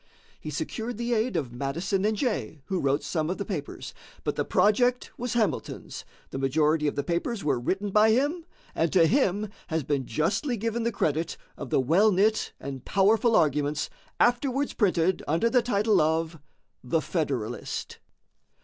He secured the aid of Madison and Jay, who wrote some of the papers, but the project was Hamilton's, the majority of the papers were written by him, and to him has been justly given the credit of the well knit and powerful arguments afterwards printed under the title of "The Federalist."